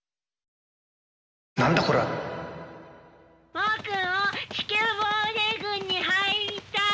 僕も地球防衛軍に入りたい！